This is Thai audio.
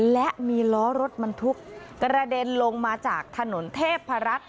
และมีล้อรถบรรทุกกระเด็นลงมาจากถนนเทพรัฐ